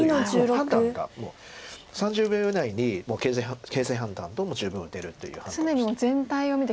判断がもう３０秒以内に形勢判断十分打てるという判断をしてる。